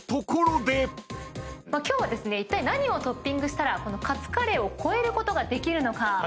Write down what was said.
今日はいったい何をトッピングしたらカツカレーを超えることができるのか。